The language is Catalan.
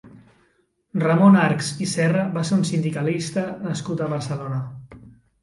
Ramon Archs i Serra va ser un sindicalista nascut a Barcelona.